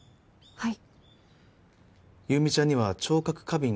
はい。